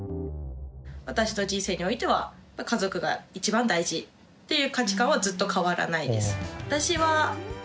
私の人生においてはっていう価値観はずっと変わらないです。